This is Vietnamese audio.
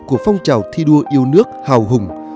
của phong trào thi đua yêu nước hào hùng